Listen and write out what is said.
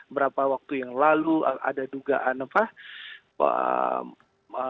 berapa waktu yang lalu ada dugaan apa